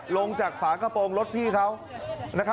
ลงจากฝากระโปรงรถพี่เขา